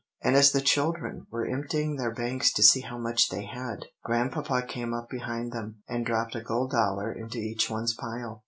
And as the children were emptying their banks to see how much they had, Grandpapa came up behind them, and dropped a gold dollar into each one's pile."